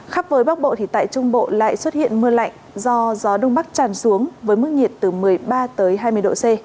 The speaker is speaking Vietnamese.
khắp với bắc bộ thì tại trung bộ lại xuất hiện mưa lạnh do gió đông bắc tràn xuống với mức nhiệt từ một mươi ba tới hai mươi độ c